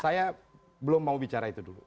saya belum mau bicara itu dulu